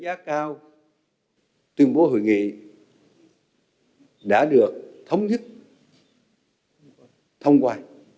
để đánh giá cao tuyên bố hội nghị đã được thống nhất thông qua